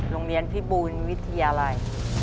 โรงเรียนพิบูลวิทยาลัย